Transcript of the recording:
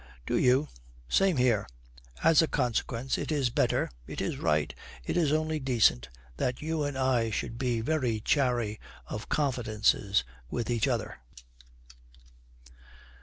'Do you? Same here.' 'As a consequence it is better, it is right, it is only decent that you and I should be very chary of confidences with each other.'